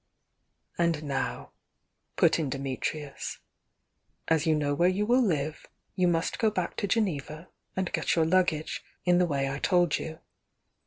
"And now," put in Dimitrius, "as you know where you will live, you must go back to Geneva and get your luggage, in the way I told you.